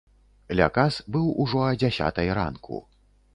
Ля кас быў ужо а дзясятай ранку.